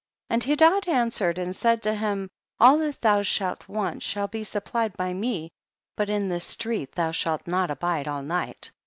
22. And Hedad answered and said to him, all that thou shalt want shall be supplied by me, but in the street thou shalt not abide all night.